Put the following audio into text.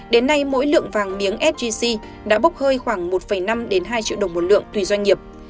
đến nay mỗi lượng vàng miếng s g g đã bốc hơi khoảng một năm hai triệu đồng một lượng tùy doanh nghiệp